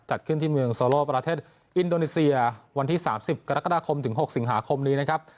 จัดขึ้นที่เมืองโซโลประเทศอินโดนีเซียวันที่๓๐กรกฎาคมถึง๖สิงหาคมนี้นะครับ